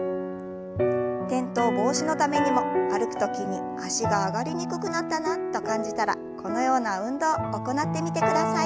転倒防止のためにも歩く時に脚が上がりにくくなったなと感じたらこのような運動行ってみてください。